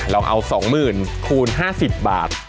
เราเอา๒๐๐๐คูณ๕๐บาท